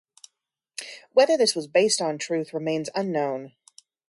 Whether this was based on truth remains unknown.